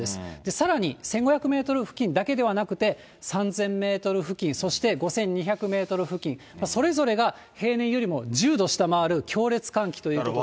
さらに１５００メートル付近だけではなくて、３０００メートル付近、そして５２００メートル付近、それぞれが平年よりも１０度下回る強烈寒気ということで。